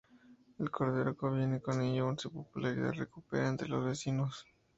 El cordero conviene en ello y su popularidad se recupera entre los vecinos.